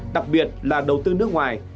đặc biệt là đầu tư nước ngoài